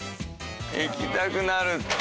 いきたくなるって。